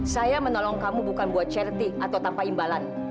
saya menolong kamu bukan buat charity atau tanpa imbalan